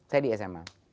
saya di sma